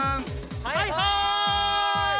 はいはい！